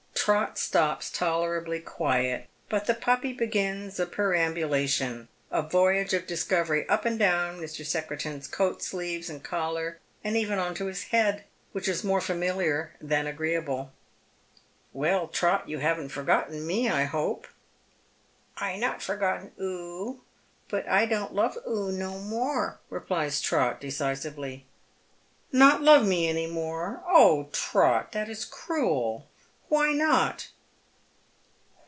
Trot »tops tolerably quiet ; but the puppy begins a perambulation — a voyage of discovery up and down Mr. Secretan's coat sleeves and collar, and even on to his head, which is more familiar than ftgreeable. " Well, Trot, you haven't forgotten me, I hope ?"*' I not forgotten oo, but I don't love oo no more," replies Trot, a'ecisively. "Not love me any more? Oh, Trot, that is cniel. Why not?"